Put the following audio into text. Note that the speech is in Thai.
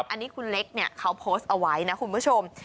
อันนี้คุณเล็กเนี่ยเขาโพสต์เอาไว้นะคุณผู้ชม